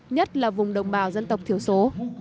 nhất là vùng đồng bào dân tộc thiếu số